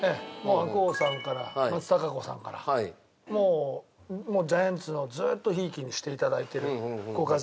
白鸚さんから松たか子さんからもうジャイアンツをずーっとひいきにして頂いてるご家族で。